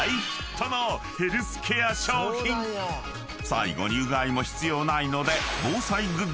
［最後にうがいも必要ないので］